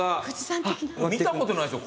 見たことないですよ